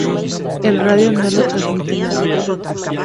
En radio no la transmite nadie.